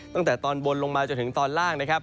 ตั้งแต่ตอนบนลงมาจนถึงตอนล่าง